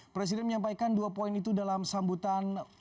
presiden menyampaikan dua poin itu dalam sambutan